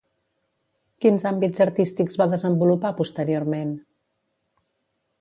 Quins àmbits artístics va desenvolupar posteriorment?